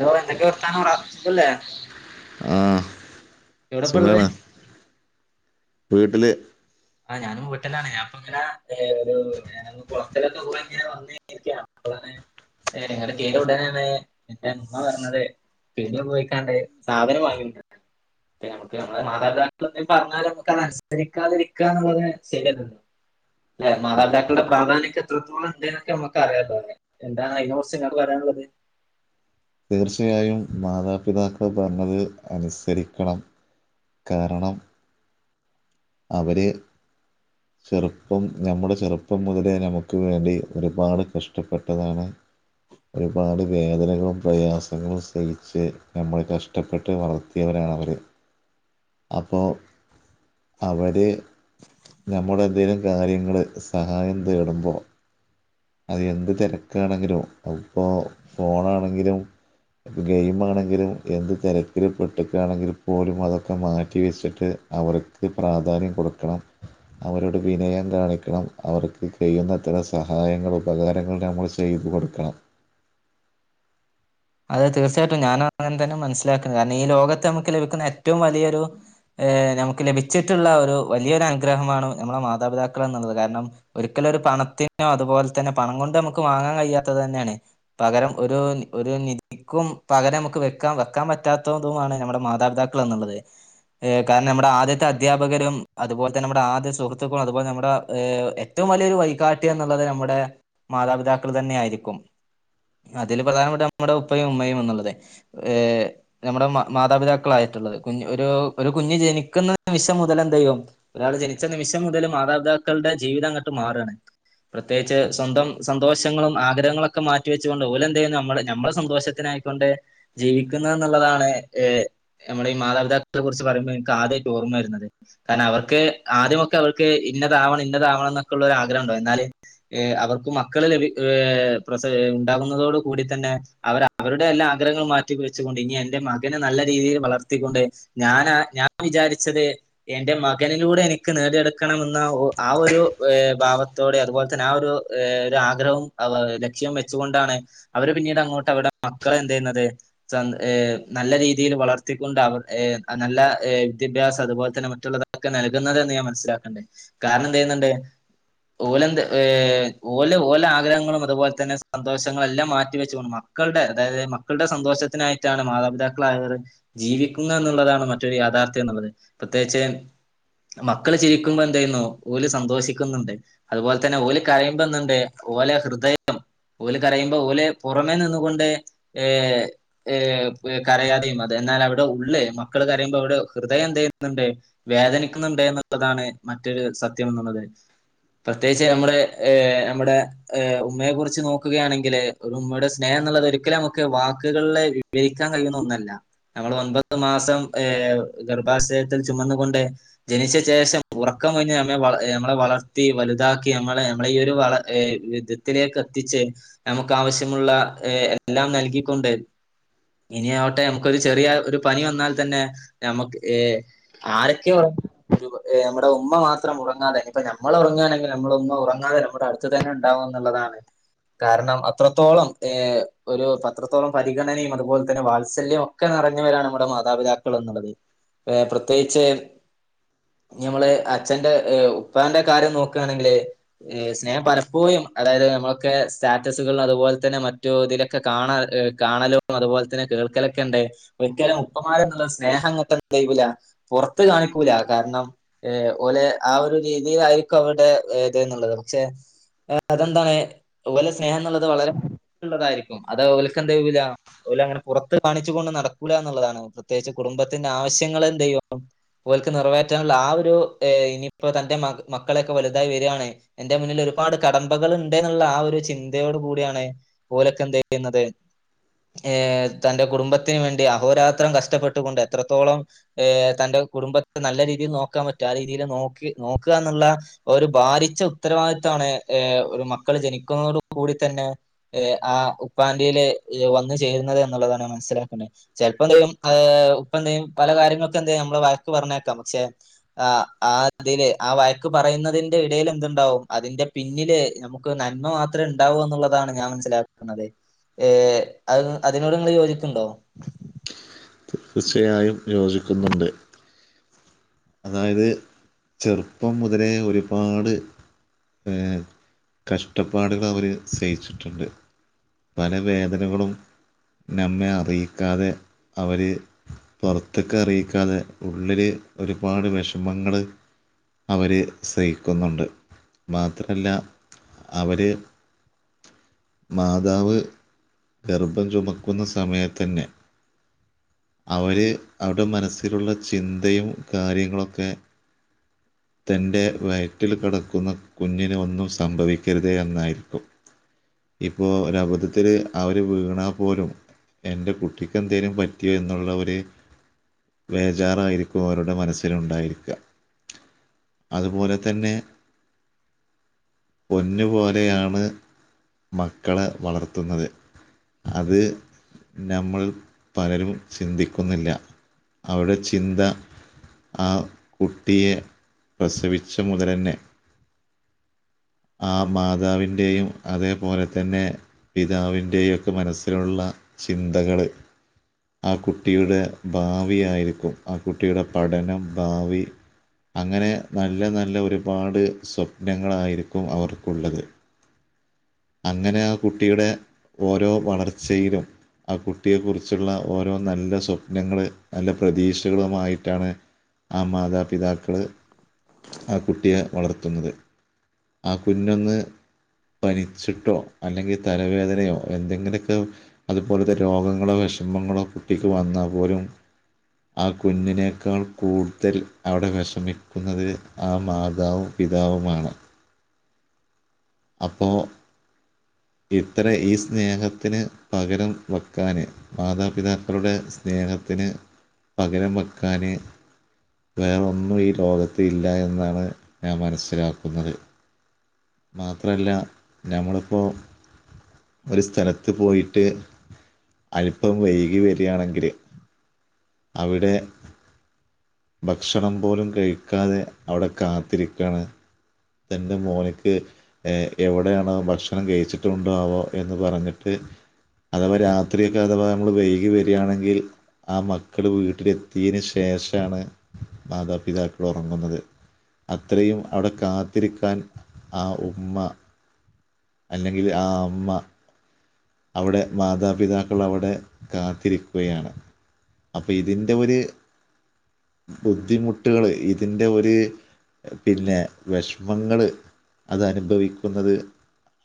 Hello എന്തക്കെ വർത്താനം [unintelligible] സുഖല്ലേ? ആഹ് എവിടെപ്പ ഉള്ളത് സുഖാണ് വീട്ടില് ആഹ് ഞാനും വീട്ടലാണ് ഞാപ്പം ഇങ്ങനെ ഒരു ഞാന് കൊളത്ത്ലൊക്ക പോയി ഇങ്ങനെ വന്ന [unintelligible] എന്റെ ഉമ്മ പറഞ്ഞത് പീട്യേ പോയിക്കാണ്ട് സാധനം വാങ്ങിണ്ടരാൻ നമക്ക് നമ്മടെ മാതാപിതാക്കള് എന്തേലും പറഞ്ഞാൽ നമുക്ക് അനുസരിക്കാതിരി ക്കാന്ന്ള്ളത് ശെരിയല്ലല്ലോ അല്ലേ മാതാപിതാക്കളുടെ പ്രാധാന്യം എത്രത്തോളം ഉണ്ട്ന്നൊക്കെ നമുക്ക് അറിയാലോലേ എന്താണ് അതിനെ കുറച്ച് നിങ്ങക്ക് പറയാനുള്ളത് തീർച്ചയായും മാതാപിതാക്കള് പറഞ്ഞത് അനുസരിക്കണം കാരണം അവര് [inaudible] ചെറുപ്പം ഞമ്മടെ ചെറുപ്പം മുതലേ ഞമക്ക് വേണ്ടി ഒരുപാട് കഷ്ടപ്പെട്ടതാണ് ഒരുപാട് വേദനകളും പ്രയാസങ്ങളും സഹിച്ച് ഞമ്മളെ കഷ്ടപ്പെട്ട് വളർത്തിയവരാണ് അവര് [inaudible] അപ്പോ അവര് ഞമ്മടെ എന്തെലും കാര്യങ്ങള് സഹായം തേടുമ്പോ അത് എന്ത് തെരക്കാണെങ്കിലും അത് ഇപ്പോ ഫോണാണെങ്കിലും ഇപ്പം ഗെയിം ആണെങ്കിലും എന്ത് തെരക്കിൽ പെട്ടുക്കയാണെങ്കിലും പോലും അതൊക്കെ മാറ്റിവെച്ചിട്ട് അവർക്ക് പ്രാധാന്യം കൊടുക്കണം അവരോട് വിനയം കാണിക്കണം അവർക്ക് കെയുന്നത്ര സഹായങ്ങള് ഉപകാരങ്ങൾ നമ്മൾ ചെയ്തു കൊടുക്കണം. അത് തീർച്ചയായിട്ടും ഞാൻ അങ്ങനെ തന്നെ മനസ്സിലാക്കുന്നു കാരണം ഈ ലോകത്തെ നമുക്ക് ലഭിക്കുന്ന ഏറ്റോം വലിയൊരു ഏഹ് നമുക്ക് ലഭിച്ചിട്ടുള്ള ഒരു വലിയൊരു അനുഗ്രഹമാണ് നമ്മുടെ മാതാപിതാക്കൾ എന്നുള്ളത് കാരണം ഒരിക്കലും ഒരു പണത്തിനോ അതുപോലെ തന്നെ പണം കൊണ്ട് നമുക്ക് വാങ്ങാൻ കഴിയാത്തത് തന്നെണ് പകരം ഒരു ഒരു നി ക്കും പകരം നമുക്ക് വെക്കാൻ വെക്കാൻ പറ്റാത്തതുമാണ് ഞമ്മടെ മാതാപിതാക്കൾ എന്നുള്ളത് ഏഹ് കാരണം നമ്മുടെ ആദ്യത്തെ അധ്യാപകരും അതുപോലെ തന്നെ നമ്മുടെ ആദ്യ സുഹൃത്തുക്കളും അതുപോലെ നമ്മുടെ ഏഹ് എ റ്റോം വല്യൊരു വൈകാട്ടി എന്നുള്ളത് നമ്മടെ മാതാപിതാക്കൾ തന്നെ ആയിരിക്കും അതില് പ്രധാനപ്പെട്ട നമ്മുടെ ഉപ്പയും ഉമ്മയും എന്നുള്ളത് ഏഹ് നമ്മുടെ മാതാപിതാക്കളായിട്ടുള്ളത് കുഞ്ഞ ഒരു ഒരു കുഞ്ഞ് ജനിക്കുന്ന നിമിഷം മുതൽ എന്തയ്യും ഒരാള് ജനിച്ച നിമിഷം മുതല് മാതാപിതാക്കളുടെ ജീവിതം അങ്ങട്ട് മാറാണ് പ്രത്യേകിച്ച് സ്വന്തം സന്തോഷങ്ങളും ആഗ്രഹങ്ങളൊക്കെ മാറ്റി വെച്ചുകൊണ്ട് ഓലെന്ത ചെയ്യുന്നു നമ്മള നമ്മള സന്തോഷത്തിനായിക്കൊണ്ട് ജീവിക്കുന്ന എന്നുള്ളതാണ് ഏഹ് നമ്മടെ ഈ മാതാപിതാക്കളെ കുറിച്ച് പറയുമ്പോ ഇൻക്ക് ആദ്യമായിട്ട ഓർമ്മവരുന്നത് കാരണം അവർക്ക് ആദ്യമൊക്കെ അവർക്ക് ഇന്നതാവണം ഇന്നതാവണം ന്നൊക്കെള്ളരു ആഗ്രഹം ഉണ്ടാവും ന്നാല് ഏഹ് അവർക്കും മക്കള് ലഭി ഏഹ് പ്രസ ഉണ്ടാകുന്നതോടു കൂടി തന്നെ അവര് അവരുടെ എല്ലാ ആഗ്രഹങ്ങളും മാറ്റിവെച്ചുകൊണ്ട് ഇനി എന്റെ മകനെ നല്ല രീതിയിൽ വളർത്തിക്കൊണ്ട് ഞാനാ ഞാൻ വിചാരിച്ചത് എന്റെ മകനിലൂടെ എനിക്ക് നേടിയെടുക്കണം എന്ന ആ ഒരു ഏഹ് ഭാവ ത്തോടെ അതുപോൽതന്നെ ആഹ് ഒരു ഒരു ആഗ്രഹം ലക്ഷ്യം വെച്ചുകൊണ്ടാണ് അവര് പിന്നീട് അങ്ങോട്ട് ട്ടവരുടെ മക്കളെന്തു ചെയ്യുന്നത് ഏഹ് നല്ല രീതിയിൽ വളർത്തിക്കൊണ്ട് ഏഹ് അവർ നല്ല ഏഹ് വിദ്യാഭ്യാസം അതുപോലെ തന്നെ മറ്റുള്ള ഒക്കെ നൽകുന്നത് എന്ന് ഞാൻ മനസ്സിലാക്ക് കാരണം എന്ത് ചെയ്യുന്നുണ്ട് ഓലെന്ത് ഏഹ് ഓല് ഓല ആഗ്രഹങ്ങളും അതുപോലെ തന്നെ സന്തോഷങ്ങളല്ലാം മാറ്റി വെച്ചു കൊണ്ട് മാറും മക്കളുടെ അതായത് മക്കളുടെ സന്തോഷത്തിനായിട്ടാണ് മാതാപിതാക്കളായവർ ജീവിക്കുന്നത് എന്നുള്ളതാണ് മറ്റൊരു യാഥാർത്ഥ്യം എന്നുള്ളത് പ്രത്യേകിച്ച് മക്കള് ചിരിക്കുമ്പോ എന്തയ്യ്ന്നൂ ഓല് സന്തോഷിക്കുന്നുണ്ട് അതുപോലെ തന്നെ ഓല് കരയുമ്പോന്തുണ്ട് ഓലെ ഹൃദയം ഓല് കരയുമ്പോ ഓലെ പുറമെ നിന്ന് കൊണ്ട് ഏഹ് ഏഹ് കരയാതെയും അത് എന്നാവരുടെ ഉള്ള് മക്കള് കരയുമ്പോ അവരുടെ ഹൃദയം എന്തെയ്യുന്നുണ്ട് വേദനിക്കുന്നുണ്ട് എന്നുള്ളതാണ് മറ്റൊരു സത്യംന്നുള്ളത് പ്രത്യേകിച്ച് നമ്മുടെ ഏഹ് നമ്മുടെ ഏഹ് ഉമ്മയെ കുറിച്ച് നോക്കുകയാണെങ്കിൽ ഒരു ഉമ്മയുടെ സ്നേഹംന്നുള്ളത് ഒരിക്കലും നമുക്ക് വാക്കുകൾല് വിവരിക്കാൻ കഴിയുന്ന ഒന്നല്ല നമ്മളെ ഒൻപത് മാസം ഏഹ് ഗർഭാശയത്തിൽ ചുമന്നുകൊണ്ട് ജനിച്ച ശേഷം ഉറക്കം ഒഴിഞ്ഞ് നമ്മെ വള നമ്മളെ വളർത്തി വലുതാക്കി നമ്മളെ നമ്മളെ ഈ ഒരു വള വിധത്തിലേക്ക് എത്തിച്ച് നമുക്ക് ആവശ്യമുള്ള ഏഹ് എല്ലാം നൽകിക്കൊണ്ട് പനിയാവട്ടെ നമുക്കൊരു ചെറിയ ഒരു പനി വന്നാൽ തന്നെ നമുക്ക് ഏഹ് ആരൊക്കെയോ നമ്മുടെ ഉമ്മ മാത്രം ഉറങ്ങാതെ ഇപ്പ നമ്മൾ ഉറങ്ങാണെങ്കിലും നമ്മളെ ഉമ്മ ഉറങ്ങാതെ നമ്മുടെ അടു ത്ത് തന്നെ ഉണ്ടാവുംന്നുള്ളതാണ് കാരണം അത്രത്തോളം ഒരു പത്രത്തോളം പരിഗണനയും അതുപോലെ തന്നെ വാത്സല്യം ഒക്കെ നിറഞ്ഞവരാണ് നമ്മുടെ മാതാപിതാക്കൾ ള്ളത് ഏഹ് പ്രത്യേകിച്ച് ഞമ്മള് അച്ഛന്റെ ഏഹ് ഉപ്പാന്റെ കാര്യം നോക്കാണെങ്കില് സ്നേഹം പലപ്പോഴും അതായത് നമ്മളൊക്കെ സ്റ്റാറ്റസുകളും അതുപോലെ തന്നെ മ മറ്റു ഇതിലൊക്കെ കാണാ കാണലും അതുപോലെ തന്നെ കേൾക്കലൊക്കെണ്ട് ഒരിക്കലും ഉപ്പമാര് എന്നുള്ള സ്നേഹം ഇങ്ങട്ടെന്തേയ്യൂല പൊറത്ത് കാണിക്കൂല കാരണം ഏഹ് ഓലെ ആ ഒരു രീതിയിലായിരിക്കും അവരുടെ ഇത്‌ന്നുള്ളത് പക്ഷെ അതെന്താണ് ഓലെ സ്നേഹംന്നുള്ളത് വളരെ ള്ളതായിരിക്കും അത് ഓൽക്കെന്തേയ്യൂല ഓലങ്ങനെ പുറത്ത് കാണിച്ചു കൊണ്ട് നടക്കൂല എന്നുള്ളതാണ് പ്രത്യേകിച്ച് കുടുംബത്തിന്റെ ആവശ്യങ്ങൾ എന്തെയ്യും ഓൽക്ക് നിറവേറ്റാനുള്ള ആ ഒരു ഇനിയിപ്പോ തന്റെ മക്കളൊക്കെ വലുതായി വരാണ് എന്റെ മുന്നിൽ ഒരുപാട് കടമ്പകൾ ഉണ്ട്ന്നുള്ള ആ ഒരു ചിന്തയോട് കൂടിയാണ് ഓലൊക്കെ എന്തെയ്യുന്നത് ഏഹ് തന്റെ കുടുംബത്തിന് വേണ്ടി അഹോരാത്രം കഷ്ടപ്പെട്ടുകൊണ്ട് എത്രത്തോളം ഏഹ് തന്റെ കുടുംബത്തെ നല്ല രീതിയിൽ നോക്കാൻ പറ്റ ആ രീതിയിൽ നോക്കി നോക്കാന്നുള്ള ഒരു ബാരിച്ച ഉത്തരവാദിത്താണ് ഏഹ് ഒരു മക്കള് ജനിക്കുന്നതോട് കൂടി തന്നെ ആ ഉപ്പാന്റേല് വന്നു ചേരുന്നത് എന്നുള്ളതാണ് മനസ്സിലാക്ക്ണത് ചെലപ്പം എന്തയ്യും ഇപ്പന്തെയ്യും പല കാര്യങ്ങള്ക്കും എന്തെയ്യും നമ്മള് വയക്ക് പറഞ്ഞേക്കാം പക്ഷെ ആ ആ ഇതില് ആ വഴക്ക് പറയുന്നതിന്റെ ഇടയിൽ എന്തുണ്ടാവും അതിന്റെ പിന്നില് നമുക്ക് നന്മ മാത്രേ ഉണ്ടാവൂന്നുള്ളതാണ് ഞാൻ മനസ്സിലാക്കുന്നത് ഏഹ് അ അതിനോട് നിങ്ങൾ യോജിക്ക്ണ്ടോ തീർച്ചയായും യോജിക്കുന്നുണ്ട് അതായത് ചെറുപ്പം മുതലേ ഒരുപാട് ഏഹ് കഷ്ടപ്പാടുകൾ അവര് സയിച്ചിട്ടുണ്ട് പല വേദനകളും നമ്മെ അറിയിക്കാതെ അവർ പുറത്ത്ക്ക് അറിയിക്കാതെ ഉള്ളില് ഒരുപാട് വിഷമങ്ങൾ അവര് സഹിക്കുന്നുണ്ട് മാത്രല്ല അവര് മാതാവ് ഗർഭം ചുമക്കുന്ന സമയത്തന്നെ അവര് അവരുടെ മനസ്സിലുള്ള ചിന്തയും കാര്യങ്ങളൊക്കെ [inaudible] തന്റെ വയറ്റിൽ കിടക്കുന്ന കുഞ്ഞിന് ഒന്നും സംഭവിക്കരുതേ എന്നായിരിക്കും ഇപ്പോൾ ഒരബദ്ധത്തില് അവര് വീണാൽ പോലും എന്റെ കുട്ടിക്ക് എന്തേലും പറ്റിയോ എന്നുള്ള ഒരു വേജാറായിരിക്കും അവര്ക്ക് അവരെ മനസ്സിലുണ്ടായിരിക്ക അതുപോലെ തന്നെ പൊന്നുപോലെയാണ് മക്കളെ വളർത്തുന്നത്. അത് നമ്മൾ പലരും ചിന്തിക്കുന്നില്ല അവിടെ ചിന്ത ആ കുട്ടിയെ പ്രസവിച്ച മുതലെന്നെ. ആ മാതാവിൻ്റെയും അതേപോലെ തന്നെ പിതാവിന്റെയൊക്കെ മനസ്സിലുള്ള ചിന്തകള് ആ കുട്ടിയുടെ ഭാവി ആയിരിക്കും ആ കുട്ടിയുടെ പഠനം, ഭാവി അങ്ങനെ നല്ല നല്ല ഒരുപാട് സ്വപ്നങ്ങളായിരിക്കും അവർക്കുള്ളത്. അങ്ങനെ ആ കുട്ടിയുടെ ഓരോ വളർച്ചയിലും ആ കുട്ടിയെ കുറിച്ചുള്ള ഓരോ നല്ല സ്വപ്നങ്ങള് നല്ല പ്രതീക്ഷകളുമായിട്ടാണ്. ആ മാതാപിതാക്കള് ആ കുട്ടിയെ വളർത്തുന്നത് ആ കുഞ്ഞൊന്ന് പനി പൻചിട്ടോ അല്ലെങ്കിൽ തലവേദനയോ എന്തെങ്കിലുമൊക്കെ അതുപോലത്തെ രോഗങ്ങളോ വിഷമങ്ങളോ കുട്ടിക്ക് വന്നാൽ പോലും ആ കുഞ്ഞിനേക്കാൾ കൂടുതൽ അവിടെ വിഷമിക്കുന്നത് ആ മാതാവും പിതാവുമാണ്. അപ്പോൾ ഇത്ര ഈ സ്നേഹത്തിന് പകരം വെക്കാന് മാതാപിതാക്കളുടെ സ്നേഹത്തിന് പകരം വെക്കാന് വേറൊന്നും ഈ ലോകത്ത് ഇല്ല എന്നാണ് ഞാൻ മനസ്സിലാക്കുന്നത് മാത്രല്ല നമ്മള് പ്പോ ഒരു സ്ഥലത്ത് പോയിട്ട് അൽപ്പം വൈകി വരാണെങ്കില് അവിടെ ഭക്ഷണം പോലും കഴിക്കാതെ അവിടെ കാത്തിരിക്കാണ് തന്റെ മോന്ക്ക് എ എവിടെണോ ഭക്ഷണം കഴിച്ചിട്ടുണ്ടോ ആവോ എന്ന് പറഞ്ഞിട്ട് അഥവാ രാത്രിയൊക്കെ അഥവാ നമ്മൾ വൈകി വരികയാണെങ്കിൽ ആ മക്കൾ വീട്ടിലെത്തീന് ശേഷാണ് മാതാപിതാക്കൾ ഉറങ്ങുന്നത് അത്രയും അവിടെ കാത്തിരിക്കാൻ ആ ഉമ്മ അല്ലെങ്കിൽ ആ അമ്മ അവിടെ മാതാപിതാക്കൾ അവിടെ കാത്തിരിക്കുകയാണ്. അപ്പൊ ഇതിന്റെ ഒരു ബുദ്ധിമുട്ടുകള് ഇതിന്റെ ഒരു പിന്നെ വിഷമങ്ങള് അതനുഭവിക്കുന്നത്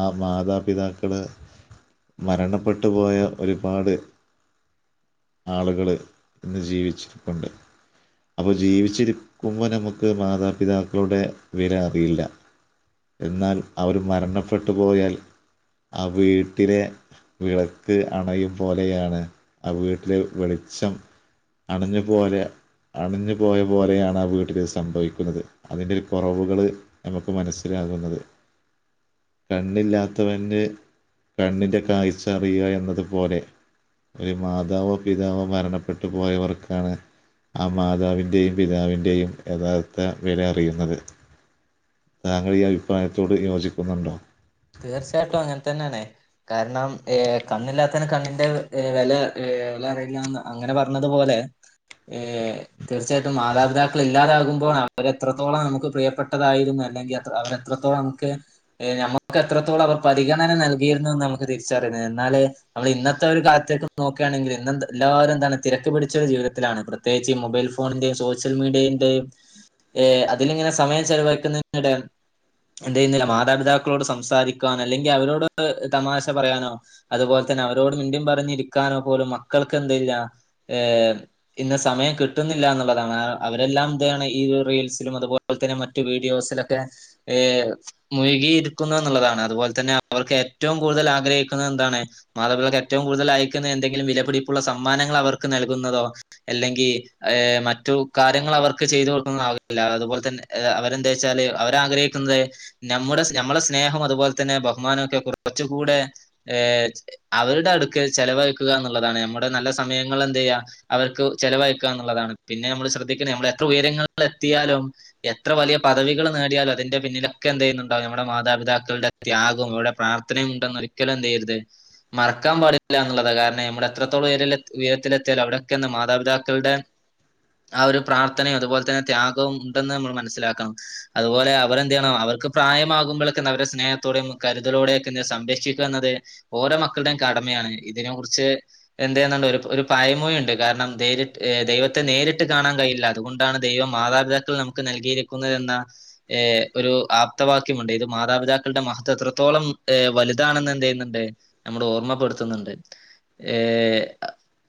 ആ മാതാപിതാക്കള് മരണപ്പെട്ടു പോയ ഒരുപാട് ആളുകള് ഇന്ന് ജീവിച്ചിരിപ്പുണ്ട് അപ്പം ജീവിച്ചിരിക്കുമ്പം നമുക്ക് മാതാപിതാക്കളുടെ വില അറിയില്ല എന്നാൽ അവർ മരണപ്പെട്ടു പോയാൽ ആ വീട്ടിലെ വിളക്ക് അണയും പോലെയാണ് ആ വീട്ടിലെ വെളിച്ചം അണഞ്ഞു പോലെയാ അണഞ്ഞു പോയ പോലെയാണ് ആ വീട്ടില് സംഭവിക്കുന്നത് അതിന്റെ ഒരു കൊറവുകള് നമുക്ക് മനസ്സിലാകുന്നത് കണ്ണില്ലാത്തവന്ന് കണ്ണിന്റെ കാഴ്ച അറിയുക എന്നതു പോലെ ഒരു മാതാവോ പിതാവോ മരണപ്പെട്ടു പോയവർക്കാണ് ആ മാതാവിന്റെയും പിതാവിന്റെയും യഥാർത്ഥ വില അറിയുന്നത് താങ്കള് ഈ അഭിപ്രായത്തോട് യോജിക്കുന്നുണ്ടോ? തീർച്ചയായിട്ടും അങ്ങൻ തന്നേണ് കാരണം ഏഹ് കണ്ണില്ലാത്തവന് കണ്ണിന്റെറെ വെല വെല അറിയില്ലാന്ന് അങ്ങനെ പറഞ്ഞതു പോലെ ഏഹ് തീർച്ചയായിട്ടും മാതാപിതാക്കള് ഇല്ലാതാകുമ്പോളാണ് അവര് എത്രത്തോളം നമുക്ക് പ്രിയപ്പെട്ടതായിരുന്നു അല്ലെങ്കി അത്ര അവര എത്രത്തോളം നമുക്ക് എഹ് നമുക്ക് എത്രത്തോളം അവർ പരിഗണന നൽകിയിരുന്നന്ന് നമുക്ക് തിരിച്ചറിയണത് എന്നാലെ നമ്മള് ഇന്നത്തെ ഒരു കാലത്തേക്ക് നോക്കാണെങ്കില് ഇന്ന് എന്താ എല്ലാരും എന്താണ് തിരക്ക് പിടിച്ചൊരു ജീവിതത്തിലാണ് പ്രത്യാ പ്രത്യേകിച്ച് ഈ മൊബൈൽ ഫോണിന്റേം സോഷ്യൽ മീഡിയന്റേയും ഏഹ് അതിലിങ്ങനെ സമയം ചെലവാക്കുന്നതിനിടെ എന്തെയ്യുന്നില്ല മാതാപിതാ ക്കളോട് സംസാരിക്കാനോ അല്ലെങ്കി അവരോട് ഒന്ന് തമാശ പറയാനോ അതുപോലെ തന്നെ അവരോട് മിണ്ടീം പറഞ്ഞിരിക്കാനോ പോലും മക്കൾക്ക് എന്തില്ല ഏഹ് ഇന്ന് സമയം കിട്ട്ന്നില്ല എന്നുള്ളതാണ് അവ അവരെല്ലാം എന്താണ് ഈ റീൽസിലും അതുപോ പോലെ തന്നെ മറ്റു വീഡിയോസിലൊക്കെ ഏഹ് മുഴുകി ഇരി ക്കുന്നു എന്നുള്ളതാണ് അതുപോലെ തന്നെ അവർക്ക് ഏറ്റവും കൂടുതൽ ആഗ്രഹിക്കുന്ന എന്താണ്? മാതാ പിതാക്കൾ ഏറ്റവും കൂടുതൽ അയക്കുന്ന എന്തെങ്കിലും വില പിടിപ്പുള്ള സമ്മാനങ്ങൾ അവർക്ക് നൽകുന്നതോ അല്ലെങ്കി ഏഹ് മറ്റു കാര്യങ്ങൾ അവർക്ക് ചെയ്ത് കൊടുക്കുന്ന ആവില്ല അതുപോലെ തന്നെ അവരെന്തേച്ചാല് അവര് ആഗ്രഹിക്കുന്നത് നമ്മുടെ ഞമ്മളെ സ്നേഹം അതുപോലെ തന്നെ ബഹുമാനമൊക്കെ കൊറച്ച് കൂടെ ഏഹ് അവരുടെ അടുക്കല് ചെലവഴിക്കുക എന്നുള്ളതാണ് നമ്മുടെ നല്ല സമയങ്ങള് എന്തെയ്യാ അവർക്ക് ചെലവഴിക്കുക എന്നുള്ളതാണ് പിന്നെ നമ്മള് ശ്രദ്ധിക്കണം നമ്മള് എത്ര ഉയരങ്ങളില് എത്തിയാലും എത്ര വലിയ പദവികൾ നേടിയാലും അതിന്റെ പിന്നിലൊക്കെ എന്ത്‌ ചെയ്യുന്നു ണ്ട് നമ്മുടെ മാതാപിതാക്കളുടെ ത്യാഗവും അവരുടെ പ്രാർത്ഥനയും ഉണ്ടെന്ന് ഒരിക്കലും എന്തെയ്യരുത് മറക്കാൻ പാടില്ല എന്നുള്ളതാണ് കാരണം നമ്മള് എത്രത്തോളം ഉയരങ്ങളി ഉയരത്തില് എത്തിയാലും അവിടെക്കെ ഒന്ന് മാതാപിതാക്കളുടെ ആ ഒരു പ്രാർത്ഥനയും അതുപോലെ തന്നെ ത്യാഗവും ഉണ്ടെന്ന് നമ്മള് മനസ്സിലാക്കണം അതുപോലെ അവര് എന്ത് ചെയ്യണം അവർക്ക് പ്രായമാകുമ്പളൊക്കെ ഒന്ന് അവരെ സ്നേഹത്തോടെയും കരുതലോടെ ഒക്കെ ഒന്ന് സംരക്ഷിക്കാ എന്നത് ഓരോ മക്കളുടെയും കടമയാണ് ഇതിനെ കുറിച്ച് എന്തേന്നാണ്ട് ഒരു ഒരു പയമൊഴി ഉണ്ട് കാരണം ദൈവത്തെ ദൈവത്തെ നേരിട്ട് കാണാൻ കഴിയില്ല അതുകൊ ണ്ടാണ് ദൈവം മാതാപിതാക്കളെ നമുക്ക് നൽകിയിരിക്കുന്നത് എന്ന ഏഹ് ഒരു ആപ് ത്ത വാക്യമുണ്ട് ഇത് മാതാപിതാക്കളുടെ മഹത്വം എത്രത്തോളം ഏഹ് വലുതാണെന്ന് എന്ത് ചെയ്യുന്നുണ്ട് നമ്മളെ ഓർമ്മപ്പെടുത്തുന്നുണ്ട് ഏഹ്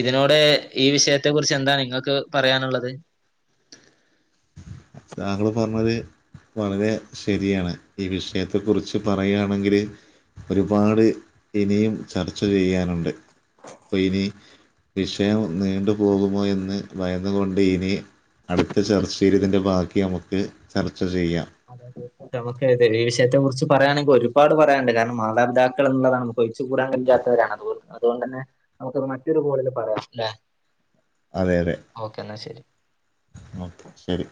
ഇതിനോട് ഈ വിഷയത്തെ കുറിച്ച് എന്താണ് നിങ്ങക്ക് പറയാനുള്ളത്? താങ്കൾ പറഞ്ഞത് വളരെ ശരിയാണ് ഈ വിഷയത്തെ കുറിച്ച് പറയാണെങ്കില് ഒരുപാട് ഇനിയും ചർച്ച ചെയ്യാനുണ്ട് പ്പൊ ഇനി വിഷയം നീണ്ടു പോകുമോ എന്ന് ഭയന്നു കൊണ്ട് ഇനി അടുത്ത ചർച്ചേല് ഇതിന്റെ ബാക്കി നമുക്ക് ചർച്ച ചെയ്യാം. ന്നമുക്ക് അതെ ഈ വിഷയത്തെ കുർച്ച് പറയാണെങ്കി ഒരുപാട് പറയാണ്ട് കാര്ണം മാതാപിതാക്കൾ എന്നുള്ളതാണ്. ഒയിച്ച് കൂടാൻ കഴിയാത്തവരാണ് അത്‌കൊ അതുകൊണ്ടന്നെ ന്നമുക്ക്ത് മറ്റൊരു കോളില് പറയാം ല്ലെ. അതെ അതെ ഓക്കെ ശെരി.